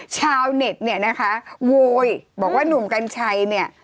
ชาวเน็ตโวยบอกว่าหนุ่มกัญชัย